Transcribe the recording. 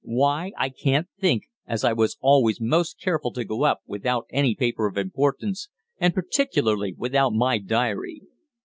Why, I can't think, as I was always most careful to go up without any paper of importance, and particularly without my diary.